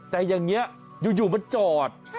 แต่อย่างนี้อยู่มันจอด